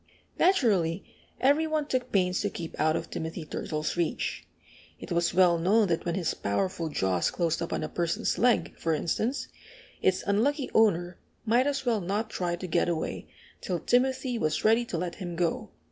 Naturally every one took pains to keep out of Timothy Turtle's reach. It was well known that when his powerful jaws closed upon a person's leg, for instance, its unlucky owner might as well not try to get away till Timothy was ready to let him go.